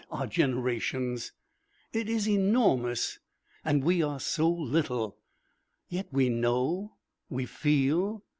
What are generations? It is enormous, and we are so little. Yet we know we feel.